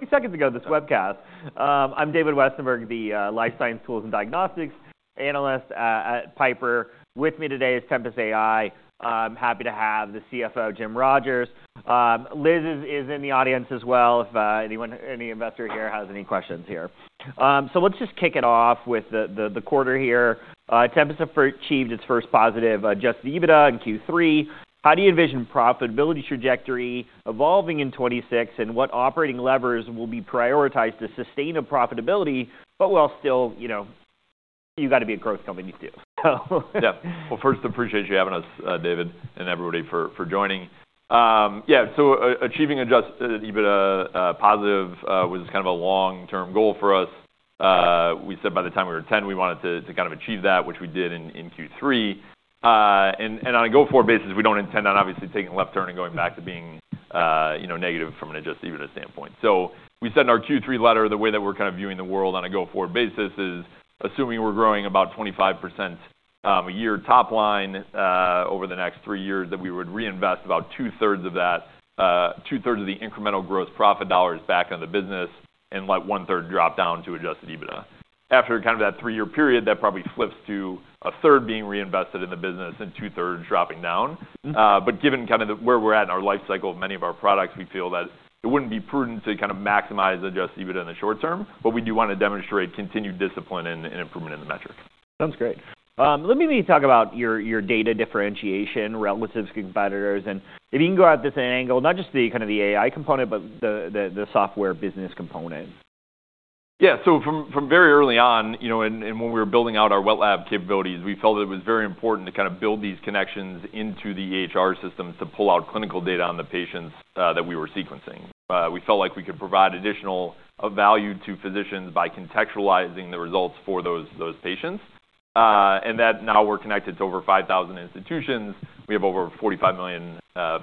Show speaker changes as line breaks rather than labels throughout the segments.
This webcast. I'm David Westenberg, the Life Science Tools and Diagnostics Analyst at Piper. With me today is Tempus AI. I'm happy to have the CFO, Jim Rogers. Liz is in the audience as well, if any investor here has any questions here. So let's just kick it off with the quarter here. Tempus AI achieved its first positive Adjusted EBITDA in Q3. How do you envision profitability trajectory evolving in 2026, and what operating levers will be prioritized to sustain a profitability, but while still, you've got to be a growth company too, you know?
Yeah. Well, first, appreciate you having us, David, and everybody for joining. Yeah, so achieving adjusted EBITDA positive was kind of a long-term goal for us. We said by the time we were 10, we wanted to kind of achieve that, which we did in Q3, and on a go-forward basis, we don't intend on obviously taking a left turn and going back to being negative from an adjusted EBITDA standpoint, so we said in our Q3 letter, the way that we're kind of viewing the world on a go-forward basis is assuming we're growing about 25% a year top line over the next three years, that we would reinvest about 2/3 of that, 2/3 of the incremental growth profit dollars back into the business, and let 1/3 drop down to adjusted EBITDA. After kind of that three-year period, that probably flips to a third being reinvested in the business and 2/3 dropping down. But given kind of where we're at in our life cycle of many of our products, we feel that it wouldn't be prudent to kind of maximize adjusted EBITDA in the short term, but we do want to demonstrate continued discipline and improvement in the metric.
Sounds great. Let me maybe talk about your data differentiation relative to competitors, and if you can go at this angle, not just kind of the AI component, but the software business component.
Yeah. So from very early on, and when we were building out our wet lab capabilities, we felt it was very important to kind of build these connections into the EHR systems to pull out clinical data on the patients that we were sequencing. We felt like we could provide additional value to physicians by contextualizing the results for those patients. And now we're connected to over 5,000 institutions. We have over 45 million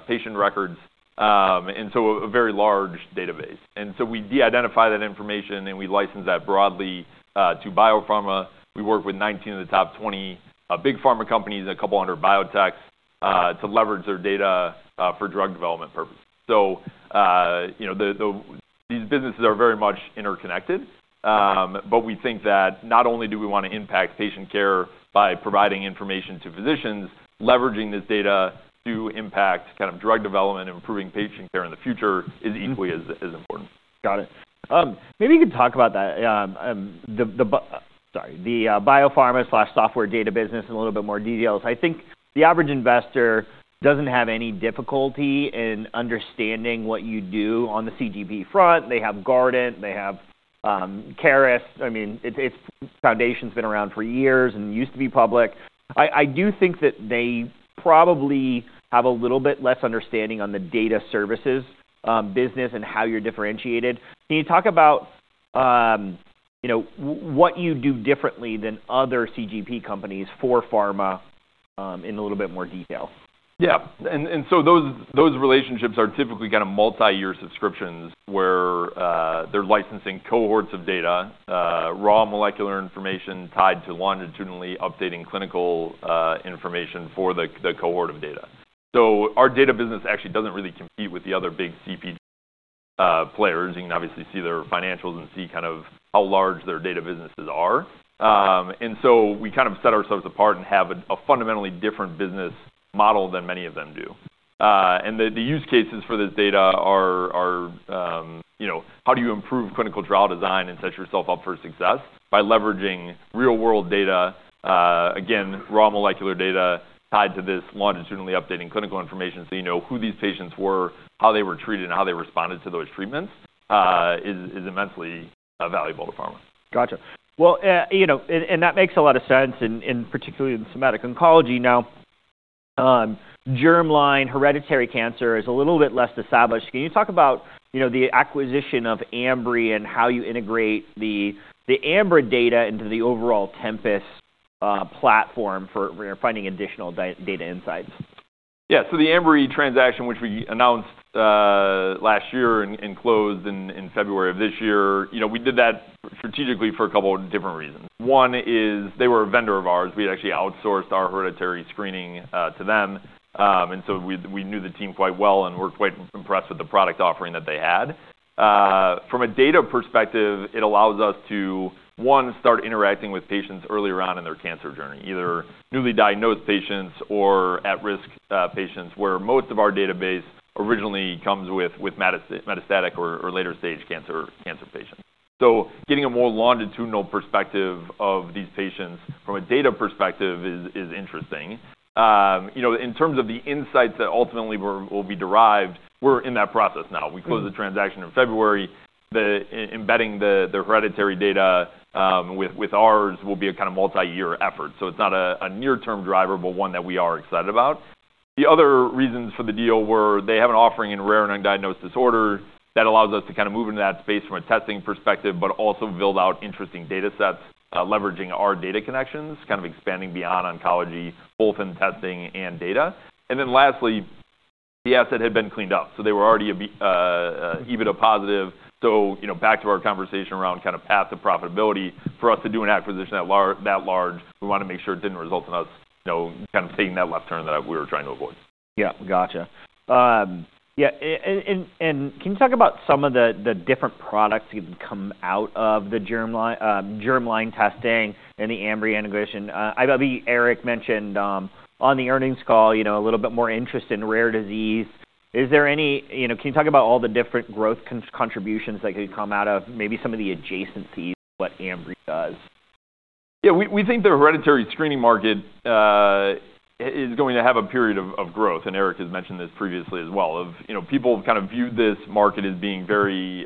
patient records. And so a very large database. And so we de-identify that information, and we license that broadly to biopharma. We work with 19 of the top 20 big pharma companies and a couple hundred biotechs to leverage their data for drug development purposes. These businesses are very much interconnected, but we think that not only do we want to impact patient care by providing information to physicians, leveraging this data to impact kind of drug development, improving patient care in the future is equally as important.
Got it. Maybe you could talk about that, sorry, the biopharma/software data business in a little bit more details. I think the average investor doesn't have any difficulty in understanding what you do on the CGP front. They have Guardant. They have Caris. I mean, it's Foundation has been around for years and used to be public. I do think that they probably have a little bit less understanding on the data services business and how you're differentiated. Can you talk about what you do differently than other CGP companies for pharma in a little bit more detail?
Yeah. And so those relationships are typically kind of multi-year subscriptions where they're licensing cohorts of data. Raw molecular information tied to longitudinally updating clinical information for the cohort of data. So our data business actually doesn't really compete with the other big CGP players. You can obviously see their financials and see kind of how large their data businesses are. And so we kind of set ourselves apart and have a fundamentally different business model than many of them do. And the use cases for this data are, you know, how do you improve clinical trial design and set yourself up for success? By leveraging real-world data, again, raw molecular data tied to this longitudinally updating clinical information so you know who these patients were, how they were treated, and how they responded to those treatments is immensely valuable to pharma.
Got you. Well, and that makes a lot of sense, and particularly in somatic oncology. Now, germline hereditary cancer is a little bit less established. Can you talk about the acquisition of Ambry and how you integrate the Ambry data into the overall Tempus platform for finding additional data insights?
Yeah. So the Ambry transaction, which we announced last year and closed in February of this year, you know, we did that strategically for a couple of different reasons. One is they were a vendor of ours. We had actually outsourced our hereditary screening to them. And so we knew the team quite well and were quite impressed with the product offering that they had. From a data perspective, it allows us to, one, start interacting with patients earlier on in their cancer journey, either newly diagnosed patients or at-risk patients where most of our database originally comes with metastatic or later-stage cancer patients. So getting a more longitudinal perspective of these patients from a data perspective is interesting. In terms of the insights that ultimately will be derived, we're in that process now. We closed the transaction in February. Embedding the hereditary data with ours will be a kind of multi-year effort, so it's not a near-term driver, but one that we are excited about. The other reasons for the deal were they have an offering in rare and undiagnosed disorder that allows us to kind of move into that space from a testing perspective, but also build out interesting data sets leveraging our data connections, kind of expanding beyond oncology, both in testing and data, and then lastly, the asset had been cleaned up, so they were already EBITDA positive, so back to our conversation around kind of path to profitability, for us to do an acquisition that large, we want to make sure it didn't result in us kind of taking that left turn that we were trying to avoid.
Yeah. Got you. Yeah. And can you talk about some of the different products that come out of the germline testing and the Ambry integration? I know Eric mentioned on the earnings call a little bit more interest in rare disease. Is there any, can you talk about all the different growth contributions that could come out of maybe some of the adjacencies to what Ambry does?
Yeah. We think the hereditary screening market is going to have a period of growth. And Eric has mentioned this previously as well, if people kind of viewed this market as being very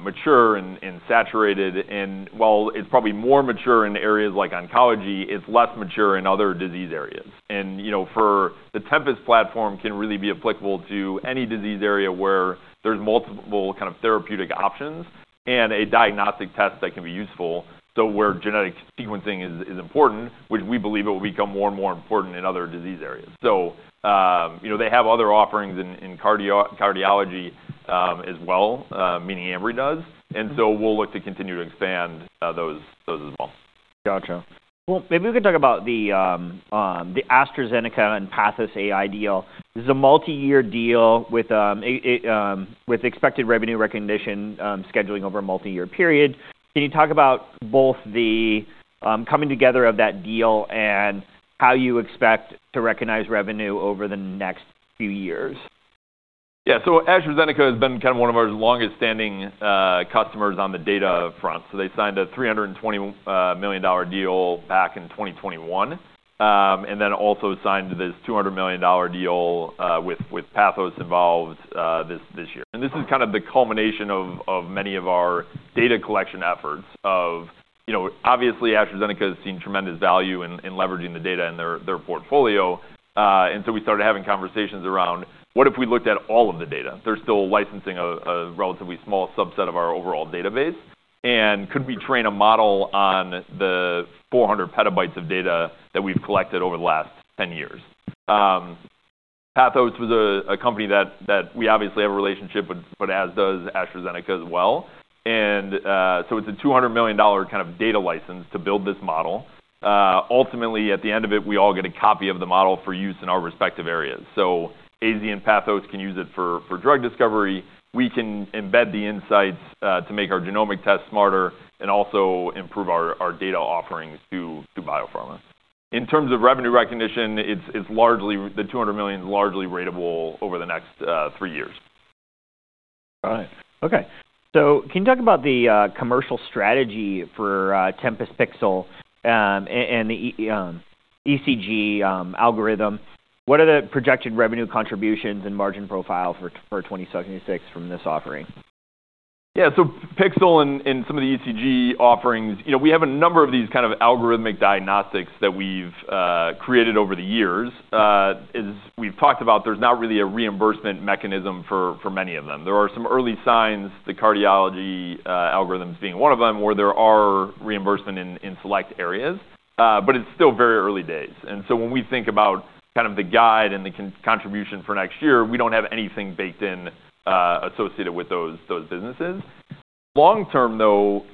mature and saturated. And while it's probably more mature in areas like oncology, it's less mature in other disease areas. And for the Tempus platform, it can really be applicable to any disease area where there's multiple kind of therapeutic options and a diagnostic test that can be useful. So where genetic sequencing is important, which we believe it will become more and more important in other disease areas. So they have other offerings in cardiology as well, meaning Ambry does. And so we'll look to continue to expand those as well.
Got you. Maybe we could talk about the AstraZeneca and then Pathos AI deal. This is a multi-year deal with expected revenue recognition scheduling over a multi-year period. Can you talk about both the coming together of that deal and how you expect to recognize revenue over the next few years?
Yeah. So AstraZeneca has been kind of one of our longest-standing customers on the data upfront. So they signed a $320 million deal back in 2021 and then also signed this $200 million deal with Pathos involved this year. And this is kind of the culmination of many of our data collection efforts of, obviously, AstraZeneca has seen tremendous value in leveraging the data in their portfolio. And so we started having conversations around, what if we looked at all of the data? They're still licensing a relatively small subset of our overall database. And could we train a model on the 400 petabytes of data that we've collected over the last 10 years? Pathos was a company that we obviously have a relationship with, but as does AstraZeneca as well. And so it's a $200 million kind of data license to build this model. Ultimately, at the end of it, we all get a copy of the model for use in our respective areas. So AZ and Pathos can use it for drug discovery. We can embed the insights to make our genomic tests smarter and also improve our data offerings to biopharma. In terms of revenue recognition, the $200 million is largely ratable over the next three years.
All right. Okay. So can you talk about the commercial strategy for Tempus Pixel and the ECG algorithm? What are the projected revenue contributions and margin profile for 2026 from this offering?
Yeah, so Pixel and some of the ECG offerings, we have a number of these kind of algorithmic diagnostics that we've created over the years. As we've talked about, there's not really a reimbursement mechanism for many of them. There are some early signs, the cardiology algorithms being one of them, where there are reimbursements in select areas, but it's still very early days, and so when we think about kind of the guide and the contribution for next year, we don't have anything baked in associated with those businesses. Long term, though,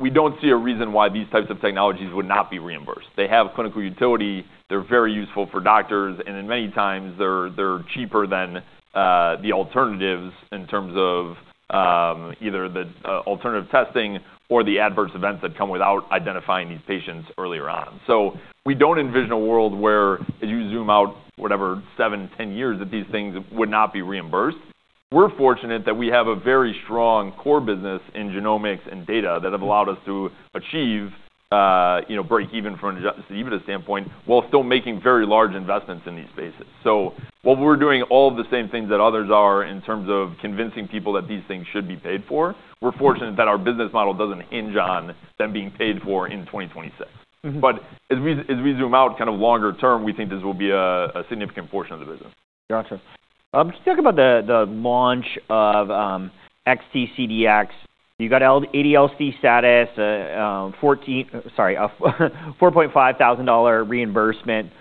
we don't see a reason why these types of technologies would not be reimbursed. They have clinical utility. They're very useful for doctors, and in many times, they're cheaper than the alternatives in terms of either the alternative testing or the adverse events that come without identifying these patients earlier on. So we don't envision a world where, as you zoom out, whatever, seven, 10 years that these things would not be reimbursed. We're fortunate that we have a very strong core business in genomics and data that have allowed us to achieve break-even from an adjusted EBITDA standpoint while still making very large investments in these spaces. So while we're doing all of the same things that others are in terms of convincing people that these things should be paid for, we're fortunate that our business model doesn't hinge on them being paid for in 2026. But as we zoom out kind of longer term, we think this will be a significant portion of the business.
Got you. Can you talk about the launch of xT CDx? You got ADLT status, sorry, $4,500 reimbursement.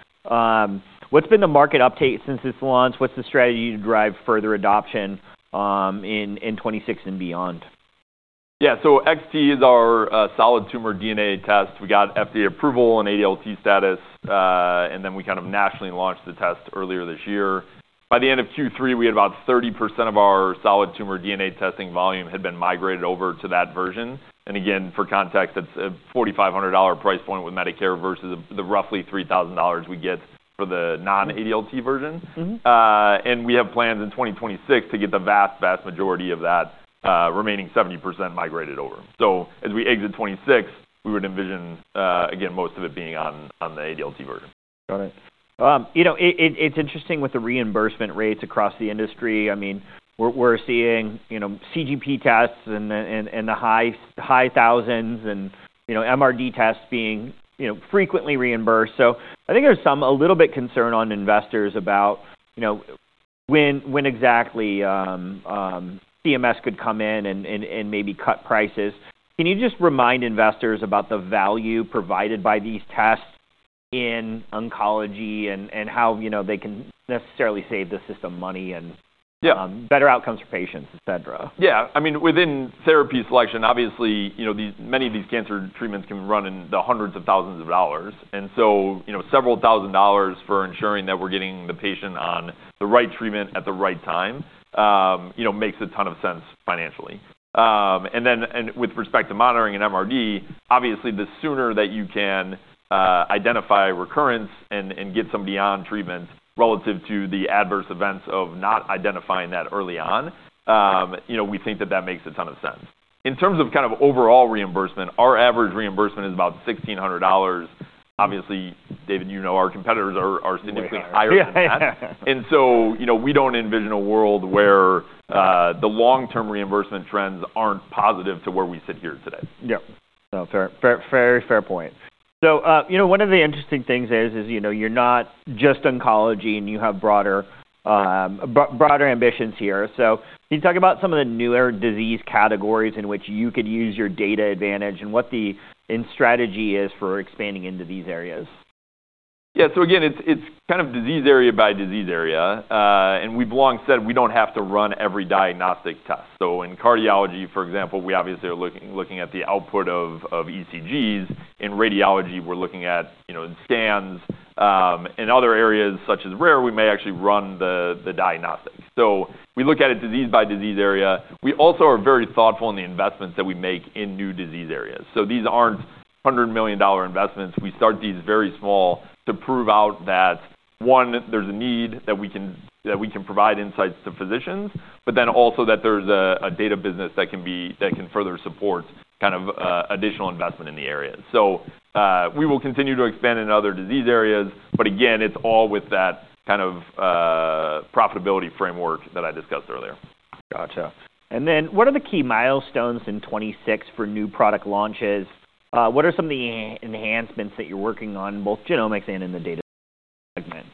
What's been the market uptake since this launch? What's the strategy to drive further adoption in 2026 and beyond?
Yeah. So xT is our solid tumor DNA test. We got FDA approval and ADLT status. And then we kind of nationally launched the test earlier this year. By the end of Q3, we had about 30% of our solid tumor DNA testing volume had been migrated over to that version. And again, for context, that's a $4,500 price point with Medicare versus the roughly $3,000 we get for the non-ADLT version. And we have plans in 2026 to get the vast, vast majority of that remaining 70% migrated over. So as we exit 2026, we would envision, again, most of it being on the ADLT version.
Got it. It's interesting with the reimbursement rates across the industry. I mean, we're seeing CGP tests in the high thousands and MRD tests being frequently reimbursed. So I think there's some a little bit concern on investors about when exactly CMS could come in and maybe cut prices. Can you just remind investors about the value provided by these tests in oncology and how they can necessarily save the system money and better outcomes for patients, etc.?
Yeah. I mean, within therapy selection, obviously, many of these cancer treatments can run in the hundreds of thousands of dollars, and so several thousand dollars for ensuring that we're getting the patient on the right treatment at the right time makes a ton of sense financially, and then with respect to monitoring and MRD, obviously, the sooner that you can identify recurrence and get somebody on treatment relative to the adverse events of not identifying that early on, we think that that makes a ton of sense. In terms of kind of overall reimbursement, our average reimbursement is about $1,600. Obviously, David, you know our competitors are significantly higher than that, and so we don't envision a world where the long-term reimbursement trends aren't positive to where we sit here today.
Yeah. Fair point, so one of the interesting things is you're not just oncology and you have broader ambitions here. So can you talk about some of the newer disease categories in which you could use your data advantage and what the strategy is for expanding into these areas?
Yeah, so again, it's kind of disease area by disease area, and we've long said we don't have to run every diagnostic test. So in cardiology, for example, we obviously are looking at the output of ECGs. In radiology, we're looking at the scans. In other areas such as rare, we may actually run the diagnostics. So we look at it disease by disease area. We also are very thoughtful in the investments that we make in new disease areas, so these aren't $100 million investments. We start these very small to prove out that, one, there's a need that we can provide insights to physicians, but then also that there's a data business that can further support kind of additional investment in the area, so we will continue to expand in other disease areas, but again, it's all with that kind of profitability framework that I discussed earlier.
Got you. And then what are the key milestones in 2026 for new product launches? What are some of the enhancements that you're working on, both genomics and in the data segment?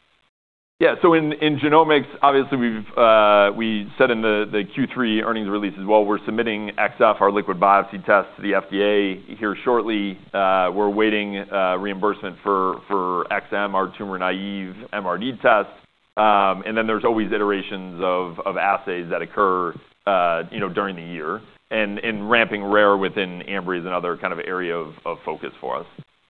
Yeah. So in genomics, obviously, we said in the Q3 earnings release while we're submitting xF, our liquid biopsy test to the FDA here shortly, we're awaiting reimbursement for xM, our tumor naive MRD test. And then there's always iterations of assays that occur during the year and ramping rare within Ambry is another kind of area of focus for us.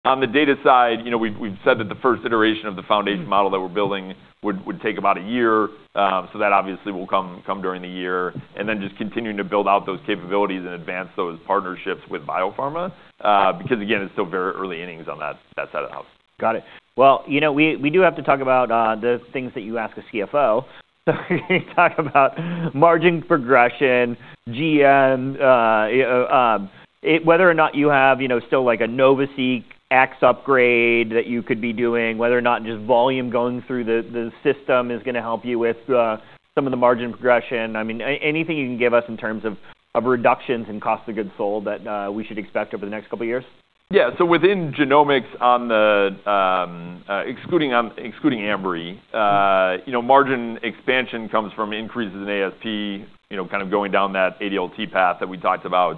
On the data side, we've said that the first iteration of the foundation model that we're building would take about a year. So that obviously will come during the year. And then just continuing to build out those capabilities and advance those partnerships with biopharma because, again, it's still very early innings on that side of the house.
Got it. We do have to talk about the things that you ask a CFO. So we're going to talk about margin progression, GM, whether or not you have still a NovaSeq X upgrade that you could be doing, whether or not just volume going through the system is going to help you with some of the margin progression. I mean, anything you can give us in terms of reductions in cost of goods sold that we should expect over the next couple of years?
Yeah. So within genomics, excluding Ambry, margin expansion comes from increases in ASP kind of going down that ADLT path that we talked about.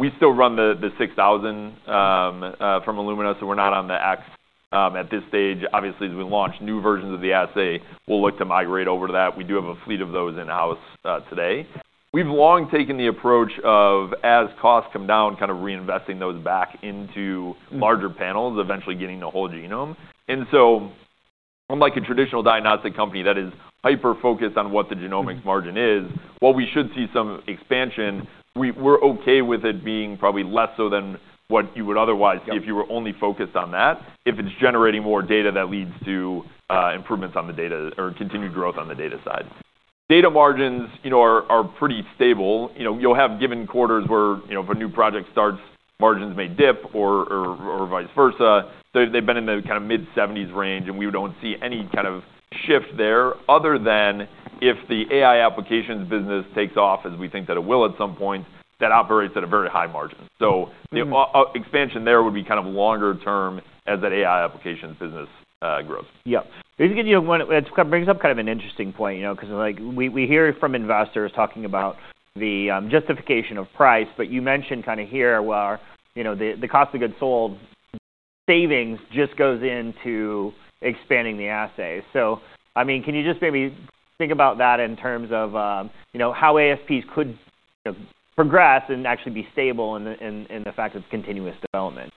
We still run the 6,000 from Illumina, so we're not on the X at this stage. Obviously, as we launch new versions of the assay, we'll look to migrate over to that. We do have a fleet of those in-house today. We've long taken the approach of, as costs come down, kind of reinvesting those back into larger panels, eventually getting the whole genome. And so unlike a traditional diagnostic company that is hyper-focused on what the genomics margin is, while we should see some expansion, we're okay with it being probably less so than what you would otherwise see if you were only focused on that if it's generating more data that leads to improvements on the data or continued growth on the data side. Data margins are pretty stable. You'll have given quarters where if a new project starts, margins may dip or vice versa. They've been in the kind of mid-70s range, and we don't see any kind of shift there other than if the AI applications business takes off, as we think that it will at some point, that operates at a very high margin. So expansion there would be kind of longer term as that AI applications business grows.
Yeah. This brings up kind of an interesting point because we hear from investors talking about the justification of price, but you mentioned kind of here, well, the cost of goods sold savings just goes into expanding the assay. So I mean, can you just maybe think about that in terms of how ASPs could progress and actually be stable in the face of continuous development?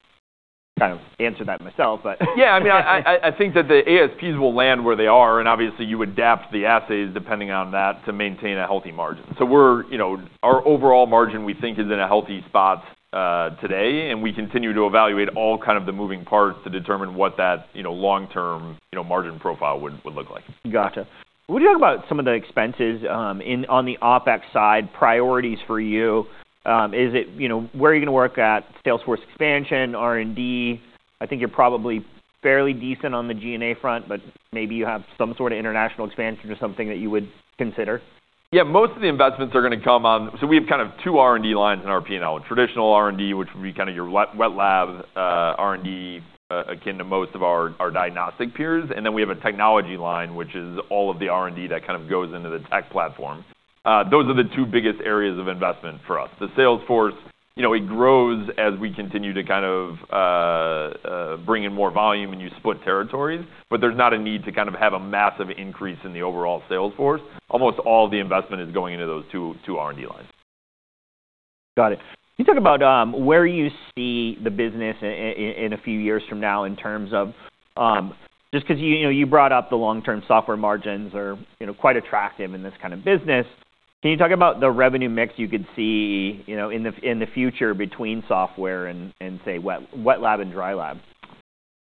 I kind of answered that myself, but.
Yeah. I mean, I think that the ASPs will land where they are. And obviously, you adapt the assays depending on that to maintain a healthy margin. So our overall margin, we think, is in a healthy spot today. And we continue to evaluate all kinds of the moving parts to determine what that long-term margin profile would look like.
Got you. What do you talk about some of the expenses on the OpEx side, priorities for you? Is it where are you going to work at, sales force expansion, R&D? I think you're probably fairly decent on the G&A front, but maybe you have some sort of international expansion or something that you would consider?
Yeah. Most of the investments are going to come on. So we have kind of two R&D lines in our P&L: traditional R&D, which would be kind of your wet lab R&D akin to most of our diagnostic peers. And then we have a technology line, which is all of the R&D that kind of goes into the tech platform. Those are the two biggest areas of investment for us. The sales force, it grows as we continue to kind of bring in more volume and you split territories. But there's not a need to kind of have a massive increase in the overall sales force. Almost all the investment is going into those two R&D lines.
Got it. Can you talk about where you see the business in a few years from now in terms of just because you brought up the long-term software margins are quite attractive in this kind of business? Can you talk about the revenue mix you could see in the future between software and, say, wet lab and dry lab?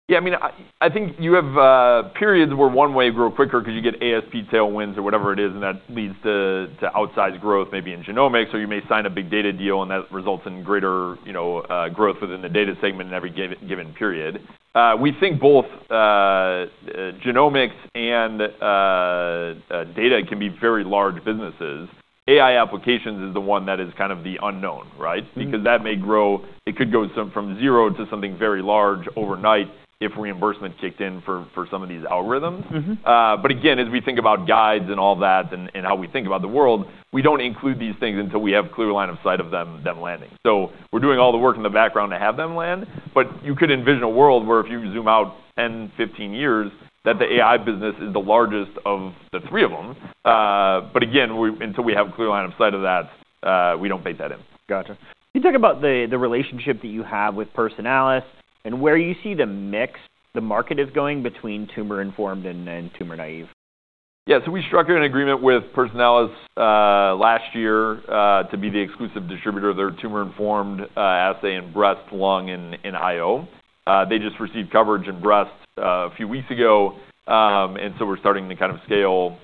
Yeah. I mean, I think you have periods where one way grows quicker because you get ASP tailwinds or whatever it is, and that leads to outsized growth maybe in genomics or you may sign a big data deal, and that results in greater growth within the data segment in every given period. We think both genomics and data can be very large businesses. AI applications is the one that is kind of the unknown, right? Because that may grow, it could go from zero to something very large overnight if reimbursement kicked in for some of these algorithms. But again, as we think about guides and all that and how we think about the world, we don't include these things until we have a clear line of sight of them landing. So we're doing all the work in the background to have them land. But you could envision a world where if you zoom out 10, 15 years, that the AI business is the largest of the three of them. But again, until we have a clear line of sight of that, we don't base that in.
Got you. Can you talk about the relationship that you have with Personalis and where you see the mix, the market is going between tumor-informed and tumor naive?
Yeah. So we struck an agreement with Personalis last year to be the exclusive distributor of their tumor-informed assay in breast, lung, and IO. They just received coverage in breast a few weeks ago. And so we're starting to kind of scale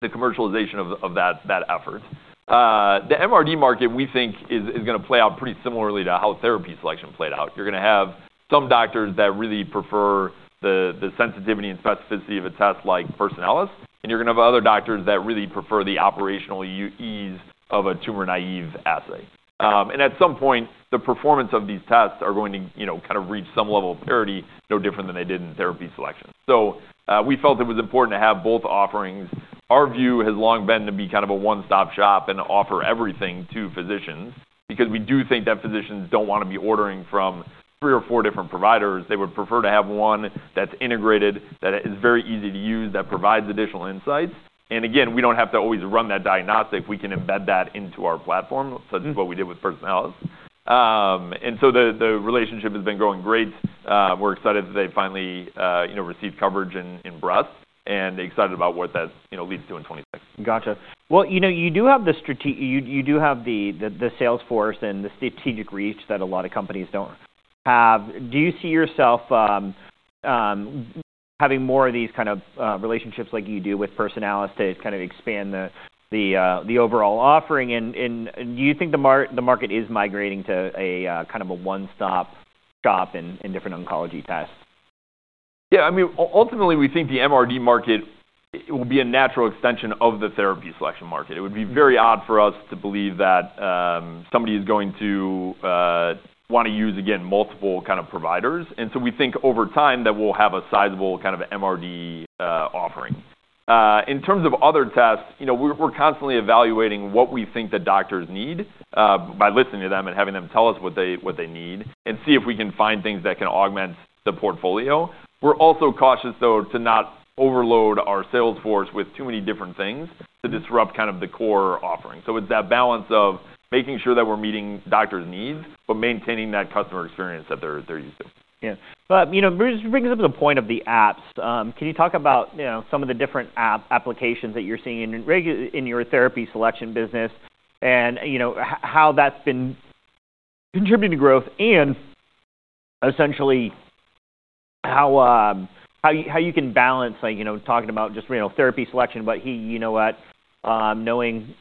the commercialization of that effort. The MRD market, we think, is going to play out pretty similarly to how therapy selection played out. You're going to have some doctors that really prefer the sensitivity and specificity of a test like Personalis, and you're going to have other doctors that really prefer the operational ease of a tumor naive assay. And at some point, the performance of these tests are going to kind of reach some level of parity, no different than they did in therapy selection. So we felt it was important to have both offerings. Our view has long been to be kind of a one-stop shop and offer everything to physicians because we do think that physicians don't want to be ordering from three or four different providers. They would prefer to have one that's integrated, that is very easy to use, that provides additional insights, and again, we don't have to always run that diagnostic. We can embed that into our platform, so that's what we did with Personalis, and so the relationship has been growing great. We're excited that they finally received coverage in breast and excited about what that leads to in 2026.
Got you. Well, you do have the sales force and the strategic reach that a lot of companies don't have. Do you see yourself having more of these kind of relationships like you do with Personalis to kind of expand the overall offering? And do you think the market is migrating to a kind of a one-stop shop in different oncology tests?
Yeah. I mean, ultimately, we think the MRD market will be a natural extension of the therapy selection market. It would be very odd for us to believe that somebody is going to want to use, again, multiple kind of providers, and so we think over time that we'll have a sizable kind of MRD offering. In terms of other tests, we're constantly evaluating what we think the doctors need by listening to them and having them tell us what they need and see if we can find things that can augment the portfolio. We're also cautious, though, to not overload our sales force with too many different things to disrupt kind of the core offering, so it's that balance of making sure that we're meeting doctors' needs but maintaining that customer experience that they're used to.
Yeah. But this brings up to the point of the apps. Can you talk about some of the different applications that you're seeing in your therapy selection business and how that's been contributing to growth and essentially how you can balance talking about just therapy selection, but hey, you know what, knowing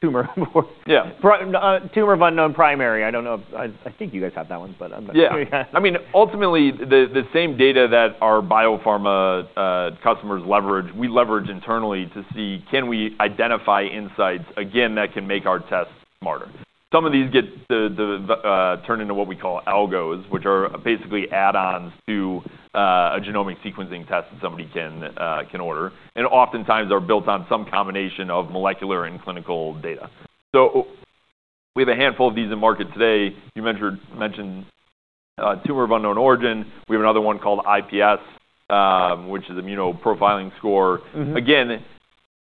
tumor of unknown primary. I don't know. I think you guys have that one, but I'm not sure.
Yeah. I mean, ultimately, the same data that our biopharma customers leverage, we leverage internally to see can we identify insights, again, that can make our tests smarter. Some of these get turned into what we call algos, which are basically add-ons to a genomic sequencing test that somebody can order, and oftentimes, they're built on some combination of molecular and clinical data. So we have a handful of these in market today. You mentioned tumor of unknown primary. We have another one called IPS, which is immunoprofiling score.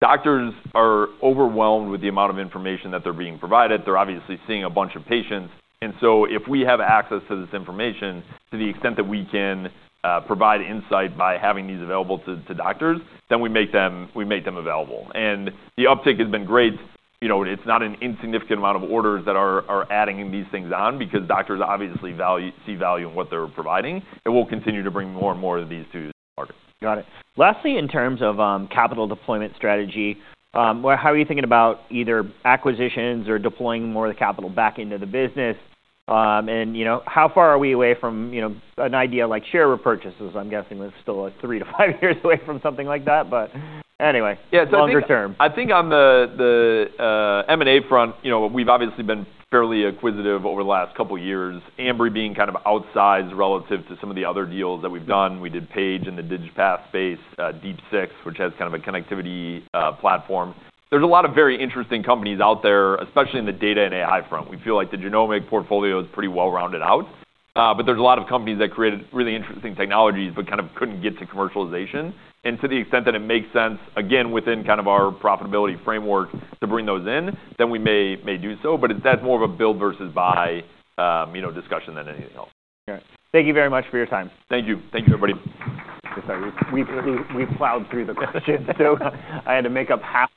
Again, doctors are overwhelmed with the amount of information that they're being provided. They're obviously seeing a bunch of patients, and so if we have access to this information, to the extent that we can provide insight by having these available to doctors, then we make them available, and the uptake has been great. It's not an insignificant amount of orders that are adding these things on because doctors obviously see value in what they're providing, and we'll continue to bring more and more of these to market.
Got it. Lastly, in terms of capital deployment strategy, how are you thinking about either acquisitions or deploying more of the capital back into the business? And how far are we away from an idea like share repurchases? I'm guessing we're still three to five years away from something like that, but anyway, longer term.
Yeah, so I think on the M&A front, we've obviously been fairly acquisitive over the last couple of years, Ambry being kind of outsized relative to some of the other deals that we've done. We did Paige in the digital pathology space, Deep 6, which has kind of a connectivity platform. There's a lot of very interesting companies out there, especially in the data and AI front. We feel like the genomic portfolio is pretty well-rounded out, but there's a lot of companies that created really interesting technologies but kind of couldn't get to commercialization, and to the extent that it makes sense, again, within kind of our profitability framework to bring those in, then we may do so, but that's more of a build versus buy discussion than anything else.
Okay. Thank you very much for your time.
Thank you. Thank you, everybody.
Sorry. We plowed through the questions, BIll so I had to make up half.